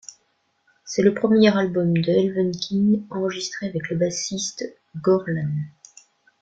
C'est le premier album de Elvenking enregistré avec le bassiste Gorlan.